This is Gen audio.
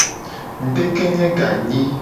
Ngudekenye ganyi.